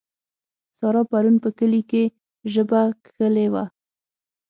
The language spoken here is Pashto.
سارا پرون په کلي کې ژبه کښلې وه.